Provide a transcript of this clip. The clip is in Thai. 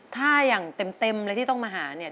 ถ้าอย่างเต็มเลยที่ต้องมาหาเนี่ย